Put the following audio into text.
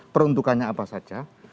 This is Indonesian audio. peruntukannya apa saja